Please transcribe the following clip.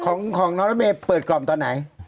ของน้องรถเมย์เปิดกล่อมตอนไหน